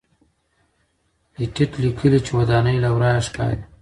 پېټټ لیکلي چې ودانۍ له ورایه ښکاري.